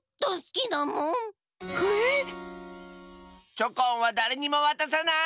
チョコンはだれにもわたさない！